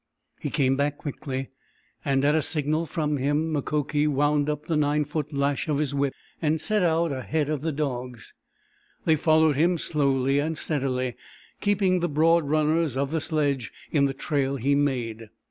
He came back quickly, and at a signal from him Mukoki wound up the 9 foot lash of his whip and set out ahead of the dogs. They followed him slowly and steadily, keeping the broad runners of the sledge in the trail he made.